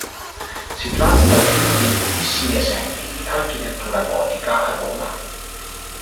Si tratta di uno dei pochissimi esempi di architettura gotica a Roma.